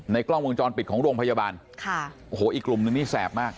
ในกล้องวงจรปิดของโรงพยาบาลอีกกลุ่มหนึ่งนี่แสบมาก